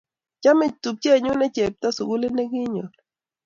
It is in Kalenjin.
chomei tupchenyu ne chepto sukulit ne kinyoru